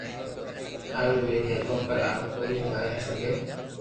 ھارو ويري ھگو پر آ ھوئي ڪوئي سگي